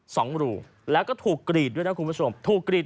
สองรูแล้วก็ถูกกรีดด้วยนะครับคุณประสบ